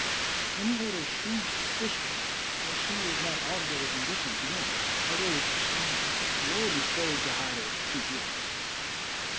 And he had a shrewd suspicion that she was not altogether indifferent to him, although she loyally strove to hide her true feelings.